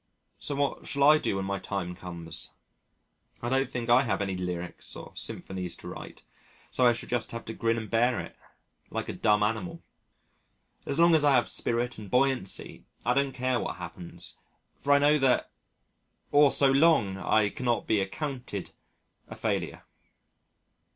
So what shall I do when my time comes? I don't think I have any lyrics or symphonies to write, so I shall just have to grin and bear it like a dumb animal.... As long as I have spirit and buoyancy I don't care what happens for I know that or so long I cannot be accounted a failure.